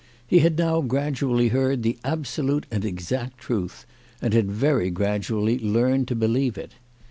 He had now gradually heard the absolute and exact truth, and had very gradually learned to believe it.